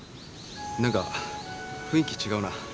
何か雰囲気違うな。